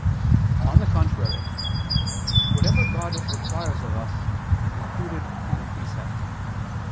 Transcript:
On the contrary, Whatever God requires of us is included in a precept.